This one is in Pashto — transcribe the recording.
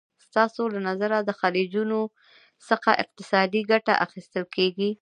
ستاسو له نظره له خلیجونو څخه اقتصادي ګټه اخیستل کېږي؟